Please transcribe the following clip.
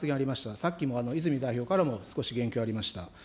さっきの泉代表からも、少し言及ありました。